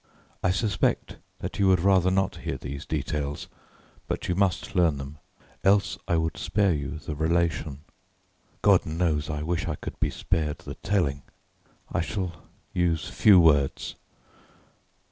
I suspect that you would rather not hear these details, but you must learn them, else I would spare you the relation. God knows I wish I could be spared the telling. I shall use few words.